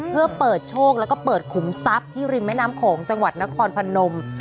เพื่อเปิดโชคแล้วก็เปิดขุมทรัพย์ที่ริมแม่น้ำโขงจังหวัดนครพนม